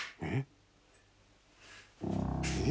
「えっ？」